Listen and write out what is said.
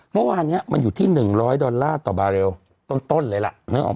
เมื่อวานนี้มันอยู่ที่๑๐๐ดอลลาร์ต่อบาร์เรลต้นเลยล่ะนึกออก